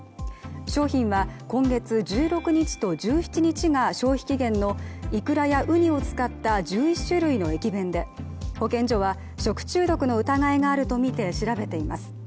商品は今月１６日と１７日が消費期限のイクラやウニを使った１１種類の駅弁で保健所は食中毒の疑いがあるとみて調べています。